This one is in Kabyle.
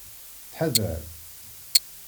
Ttḥadar.